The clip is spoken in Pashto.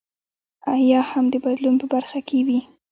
یا هم د بدلون په برخه کې وي.